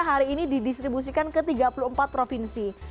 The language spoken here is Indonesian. hari ini didistribusikan ke tiga puluh empat provinsi